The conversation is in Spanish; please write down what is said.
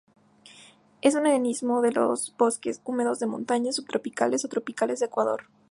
Es un endemismo de los bosques húmedos de montaña, subtropicales o tropicales de Ecuador.